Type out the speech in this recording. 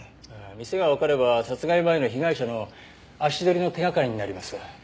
店がわかれば殺害前の被害者の足取りの手掛かりになります。